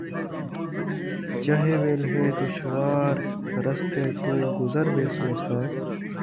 جئیں ویلھے دُشوار رستیں توں گُزر ویسوں اَساں